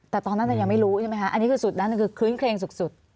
แต่ตอนนั้นยังไม่รู้อันนี้คือสุดคือคื้นเครงสุด